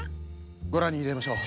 ごらんにいれましょう！